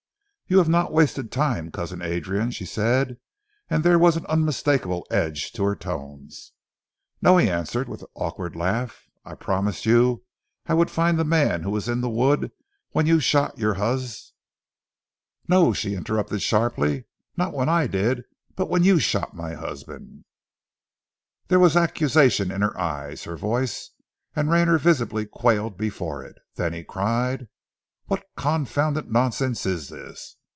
"You have not wasted time, Cousin Adrian," she said, and there was an unmistakable edge to her tones. "No," he answered with an awkward laugh. "I promised you I would find that man who was in the wood when you shot your hus " "No!" she interrupted sharply, "not when I did, but when you shot my husband!" There was accusation in her eyes, her voice, and Rayner visibly quailed before it. Then he cried "What confounded nonsense is this?"